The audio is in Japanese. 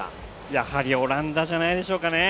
やはりオランダじゃないでしょうかね。